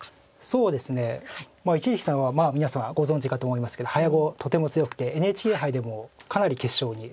そうですね一力さんは皆様ご存じかと思いますけど早碁とても強くてＮＨＫ杯でもかなり決勝に進まれてますよね。